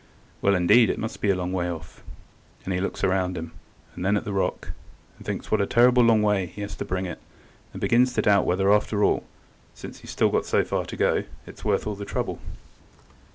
"Well, indeed, it must be a long way off," and he looks around him, and then at the rock, and thinks what a terrible long way he has had to bring it, and begins to doubt whether, after all, since he's still got so far to go, it's worth all the trouble.